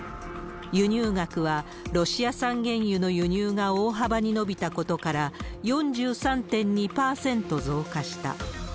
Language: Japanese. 輸入額はロシア産原油の輸入が大幅に伸びたことから、４３．２％増加した。